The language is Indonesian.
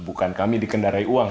bukan kami dikendarai uang